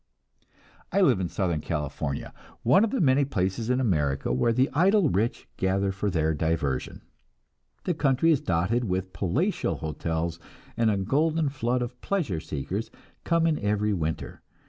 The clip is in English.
I live in Southern California, one of many places in America where the idle rich gather for their diversion. The country is dotted with palatial hotels, and a golden flood of pleasure seekers come in every winter.